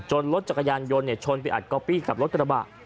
รถจักรยานยนต์ชนไปอัดก๊อปปี้กับรถกระบะ